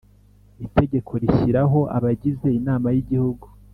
itegeko rishyiraho abagize inama y igihugu